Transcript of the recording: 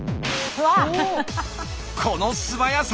この素早さ！